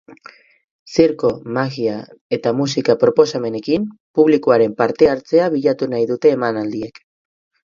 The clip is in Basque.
Zirko, magia eta musika proposamenekin, publikoaren parte-hartzea bilatu nahi dute emanaldiek.